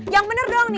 yang bener doang nih